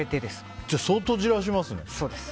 じゃあ相当、じらしますね。